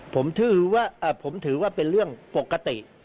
ผมถือว่าเป็นเรื่องปกติ